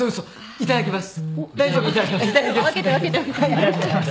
いただきます。